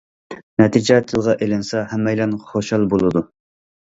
نەتىجە تىلغا ئېلىنسا، ھەممەيلەن خۇشال بولىدۇ.